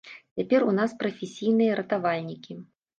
Цяпер у нас прафесійныя ратавальнікі.